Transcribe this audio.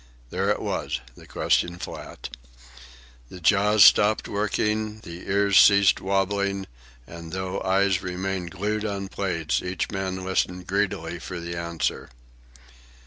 There it was, the question flat. The jaws stopped working, the ears ceased wobbling, and though eyes remained glued on plates, each man listened greedily for the answer.